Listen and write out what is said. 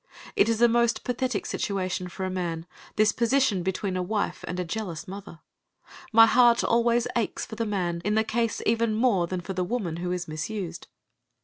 It is a most pathetic situation for a man, this position between a wife and a jealous mother. My heart always aches for the man in the case even more than for the woman who is misused.